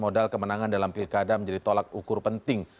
dalam pilkada menjadi tolak ukur penting